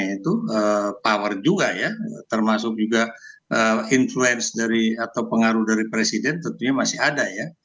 pauan yang dikawal juga ya termasuk juga pengaruh dari presiden tentunya masih ada ya